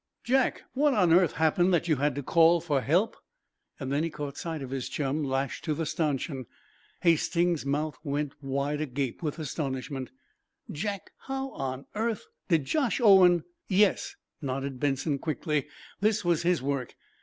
"Jack, what on earth happened that you had to call for help!" Then he caught sight of his chum, lashed to the stanchion. Hastings's mouth went wide agape with astonishment. "Jack how on earth did Josh Owen " "Yes," nodded Benson, quickly. "This was his work.